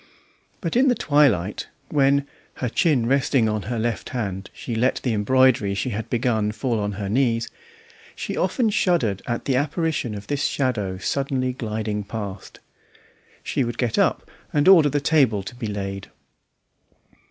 But in the twilight, when, her chin resting on her left hand, she let the embroidery she had begun fall on her knees, she often shuddered at the apparition of this shadow suddenly gliding past. She would get up and order the table to be laid.